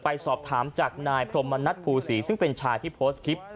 ไปสอบถามจากนายพรมมณัฐภูศีซึ่งเป็นชายที่โพสต์คลิป